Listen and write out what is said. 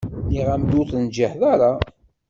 Nniɣ-am-d ur tenǧiḥ ara.